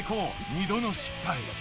２度の失敗。